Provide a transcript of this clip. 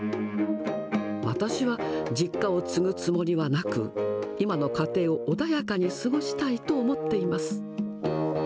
私は実家を継ぐつもりはなく、今の家庭を穏やかに過ごしたいと思っています。